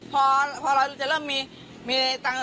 พอเราจะเริ่มมีตังค์